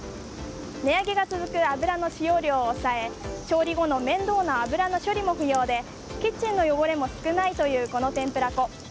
値上げが続く油の使用量を抑え調理後の面倒な油の処理も不要でキッチンの汚れも少ないというこの天ぷら粉。